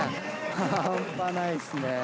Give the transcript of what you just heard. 半端ないっすね。